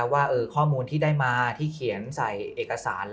ว่าข้อมูลที่ได้มาที่เขียนใส่เอกสาร